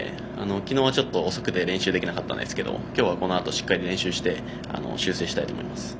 昨日は、ちょっと遅くて練習できなかったんですけど今日はこのあとしっかり練習して修正したいと思います。